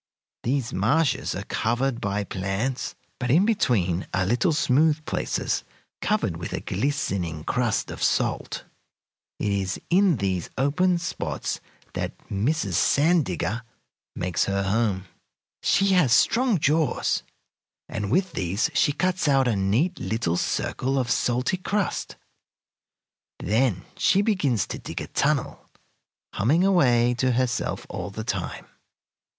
These marshes are covered by plants, but in between are little smooth places covered with a glistening crust of salt. It is in these open spots that Mrs. Sand Digger makes her home. She has strong jaws, and with these she cuts out a neat little circle of salty crust. Then she begins to dig a tunnel, humming away to herself all the time.